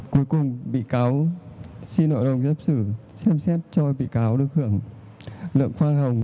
cuối cùng bị cáo xin nội đồng giáp sử xem xét cho bị cáo được hưởng lượng hoa hồng